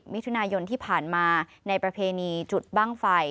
มิถุนายนที่ผ่านมาในประเพณีจุดบ้างไฟ